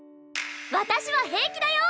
私は平気だよ！